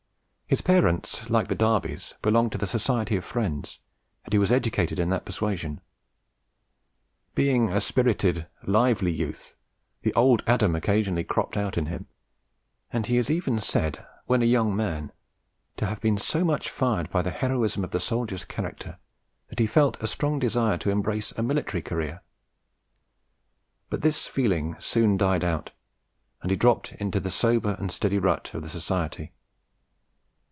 His parents, like the Darbys, belonged to the Society of Friends, and he was educated in that persuasion. Being a spirited, lively youth, the "old Adam" occasionally cropped out in him; and he is even said, when a young man, to have been so much fired by the heroism of the soldier's character that he felt a strong desire to embrace a military career; but this feeling soon died out, and he dropped into the sober and steady rut of the Society.